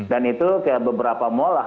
dan itu ke beberapa mall lah